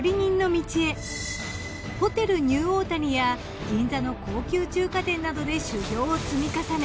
ホテルニューオータニや銀座の高級中華店などで修業を積み重ね